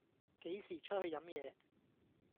幾時出去飲野